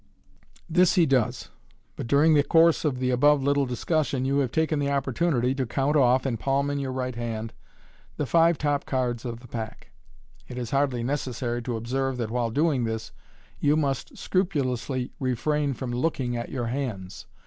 This he does. But during the course of the above little discussion, you have taken the opportunity to count off, and palm in your right hand, the five top cards of the pack. It is hardly necessary to observe that while doing this, you must scrupulously refrain from looking at your hands.